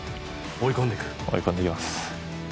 追い込んでいきます。